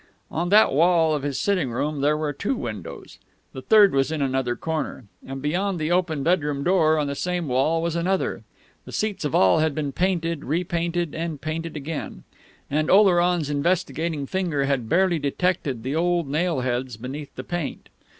On that wall of his sitting room there were two windows (the third was in another corner), and, beyond the open bedroom door, on the same wall, was another. The seats of all had been painted, repainted, and painted again; and Oleron's investigating finger had barely detected the old nailheads beneath the paint.